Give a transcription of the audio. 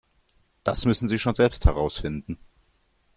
Das müssen Sie schon selbst herausfinden.